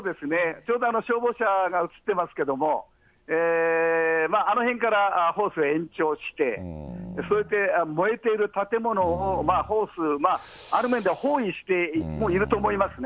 ちょうど消防車が映ってますけれども、あの辺からホース延長して、それで燃えている建物を、ホース、ある面では包囲して、もういると思いますね。